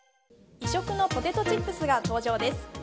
異色のポテトチップスが登場です。